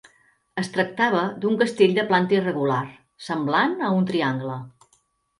Es tractava d'un castell de planta irregular, semblant a un triangle.